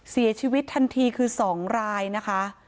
เสียชีวิตทันทีคือ๒รายนะคะ